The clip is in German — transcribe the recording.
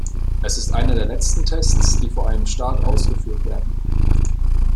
Es ist einer der letzten Tests, die vor einem Start ausgeführt werden.